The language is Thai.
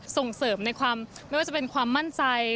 ส่งเสริมในความไม่ว่าจะเป็นความมั่นใจ